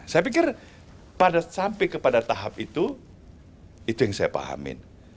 saya pikir sampai kepada tahap itu itu yang saya pahamin